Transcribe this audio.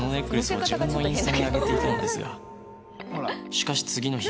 しかし次の日